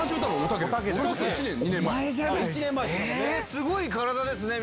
すごい体ですね！